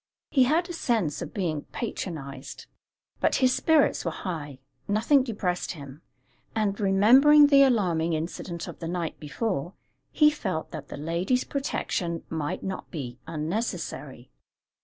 He had a sense of being patronized; but his spirits were high nothing depressed him; and, remembering the alarming incident of the night before, he felt that the lady's protection might not be unnecessary.